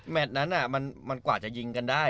แมทนั้นน่ะมันกว่าจะยิงกันได้